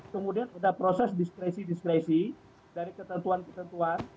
kemudian ada proses diskresi diskresi dari ketentuan ketentuan